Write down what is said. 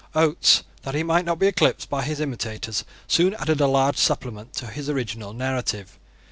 Oates, that he might not be eclipsed by his imitators, soon added a large supplement to his original narrative.